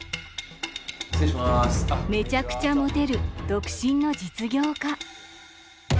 めちゃくちゃモテる独身の実業家。